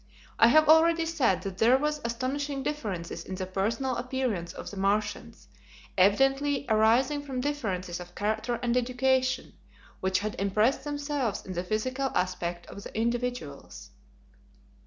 I have already said that there were astonishing differences in the personal appearance of the Martians, evidently arising from differences of character and education, which had impressed themselves in the physical aspect of the individuals.